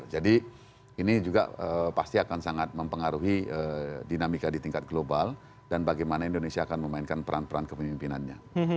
jadi ini juga pasti akan sangat mempengaruhi dinamika di tingkat global dan bagaimana indonesia akan memainkan peran peran kepemimpinannya